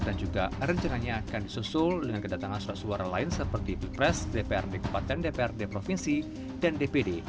dan juga rencananya akan disusul dengan kedatangan surat suara lain seperti bipres dprd kabupaten dprd provinsi dan dpd